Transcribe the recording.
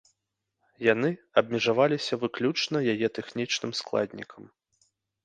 Яны абмежаваліся выключна яе тэхнічным складнікам.